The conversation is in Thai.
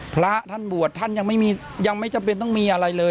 พระท่านบวชท่านยังไม่จำเป็นต้องมีอะไรเลย